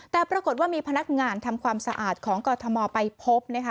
แต่ปรากฏว่ามีพนักงานทำความสะอาดของกรทมไปพบนะคะ